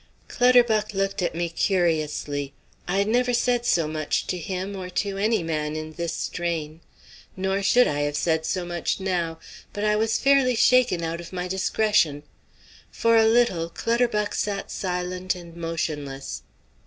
Clutterbuck looked at me curiously. I had never said so much to him or to any man in this strain. Nor should I have said so much now, but I was fairly shaken out of my discretion. For a little Clutterbuck sat silent and motionless.